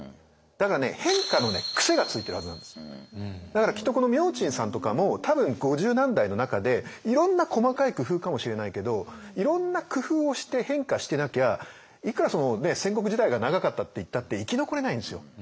だからきっとこの明珍さんとかも多分五十何代の中でいろんな細かい工夫かもしれないけどいろんな工夫をして変化してなきゃいくら戦国時代が長かったっていったって生き残れないんですよ。